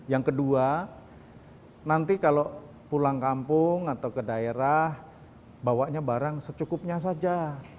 yang kedua nanti kalau pulang kampung atau ke daerah bawanya barang secukupnya saja